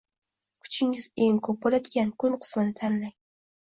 Kuchingiz eng ko’p bo’ladigan kun qismini tanlang.